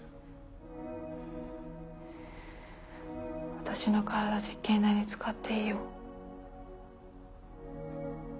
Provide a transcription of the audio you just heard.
私の体実験台に使っていいよ。